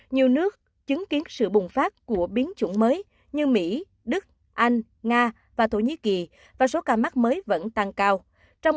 nhiều nước chứng kiến sự bùng phát của biến chủng mới như mỹ đức anh nga và thổ nhĩ kỳ và số ca mắc mới vẫn tăng cao